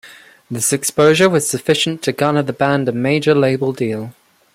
This exposure was sufficient to garner the band a major label deal.